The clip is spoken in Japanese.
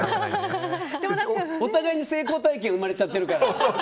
お互いに成功体験が生まれちゃってるから。